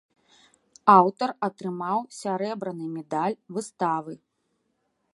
Аўтар атрымаў сярэбраны медаль выставы.